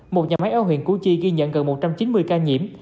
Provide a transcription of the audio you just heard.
một nhà máy ở huyện củ chi ghi nhận gần một trăm chín mươi ca nhiễm